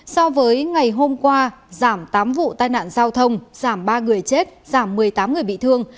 so với ngày hôm qua giảm tám vụ tai nạn giao thông giảm ba người chết giảm một mươi tám người bị thương